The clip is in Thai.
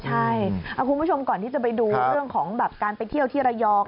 ใช่คุณผู้ชมก่อนที่จะไปดูเรื่องของแบบการไปเที่ยวที่ระยอง